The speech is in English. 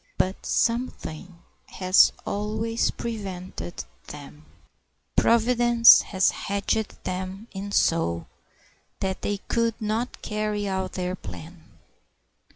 But something has always prevented them. Providence has hedged them in so that they could not carry out their plan.